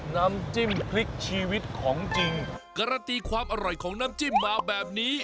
น้ำจิ้มพริกชีวิตของจริงการันตีความอร่อยของน้ำจิ้มมาแบบนี้